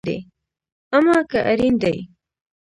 امه که اړين دي